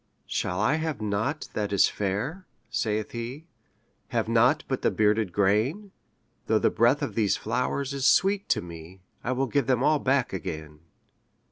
``Shall I have nought that is fair?'' saith he; ``Have nought but the bearded grain? Though the breath of these flowers is sweet to me, I will give them all back again.''